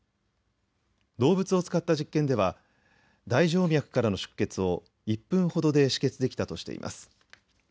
動物を使った実験では大静脈からの出血を１分ほどで止血できたとしています。